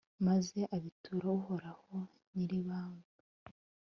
maze abitura uhoraho nyir'ibanga